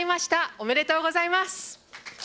おめでとうございます。